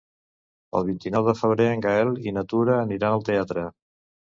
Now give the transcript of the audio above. El vint-i-nou de febrer en Gaël i na Tura aniran al teatre.